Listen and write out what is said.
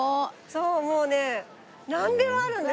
そうもうねなんでもあるんですよ。